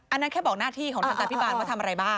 อันนั้นแค่บอกหน้าที่ของทันตาพิบาลว่าทำอะไรบ้าง